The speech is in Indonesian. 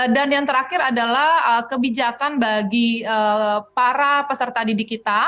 dan yang terakhir adalah kebijakan bagi para peserta didik kita